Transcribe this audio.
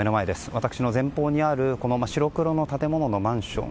私の前方にあるこの白黒の建物のマンション。